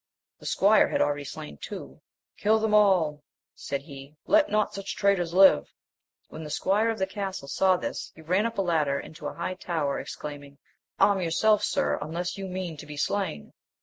The squire had already slain two; Kill them all ! said he, let not such traitors Hve ! When the squire of the castle saw this, he ran up a ladder into a high tower, exclaiming, Arm yourself, sir, unless you mean to be slain